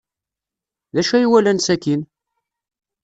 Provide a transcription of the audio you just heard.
D acu ay walan sakkin?